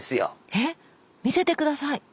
えっ⁉見せて下さい！